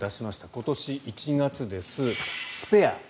今年１月です、「スペア」。